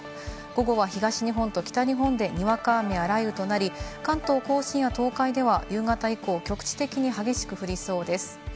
午後は東日本と北日本でにわか雨や雷雨となり、関東甲信や東海では夕方以降、局地的に激しく降りそうです。